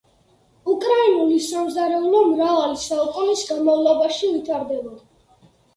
უკრაინული სამზარეულო მრავალი საუკუნის განმავლობაში ვითარდებოდა.